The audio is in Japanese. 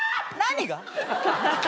何が？